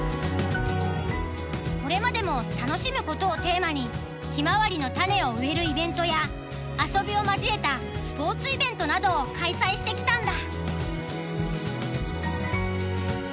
これまでも楽しむことをテーマにひまわりの種を植えるイベントや遊びを交えたスポーツイベントなどを開催してきたんだ。